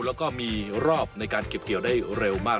แล้วก็มีรอบในการเก็บเกี่ยวได้เร็วมาก